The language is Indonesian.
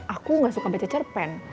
aku gak suka baca cerpen